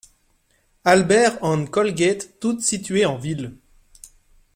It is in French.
Albert and Colgate, toutes situées en ville.